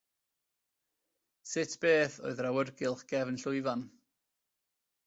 Sut beth oedd yr awyrgylch gefn llwyfan?